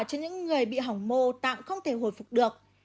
cho những người bị hỏng mô tạng không thể hồi phục được